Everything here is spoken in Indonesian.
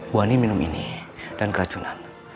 wani minum ini dan keracunan